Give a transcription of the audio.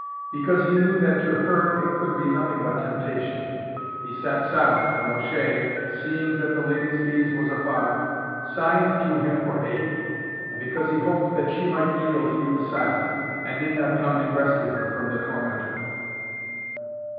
Because he knew that to her it could be nothing but temptation, he sat silent when O'Shea, seeing that the lady's gaze was afar, signed to him for aid; and because he hoped that she might yield he was silent, and did not come to rescue her from the tormentor.